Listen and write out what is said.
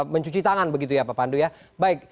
mencuci tangan begitu ya pak pandu ya baik